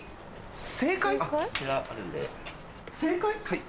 正解？